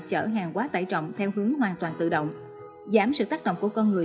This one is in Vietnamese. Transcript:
chở hàng quá tải trọng theo hướng hoàn toàn tự động giảm sự tác động của con người